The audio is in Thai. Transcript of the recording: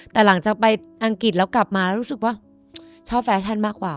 แต่หลังจากไปอังกฤษแล้วกลับมาแล้วรู้สึกว่าชอบแฟชั่นมากกว่า